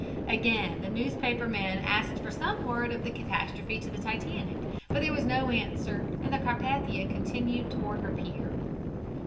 Again the newspaper men asked for some word of the catastrophe to the Titanic, but there was no answer, and the Carpathia continued toward her pier.